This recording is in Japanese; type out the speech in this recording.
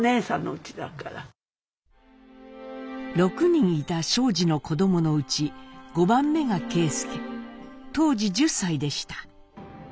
６人いた正治の子どものうち５番目が啓介当時１０歳でした。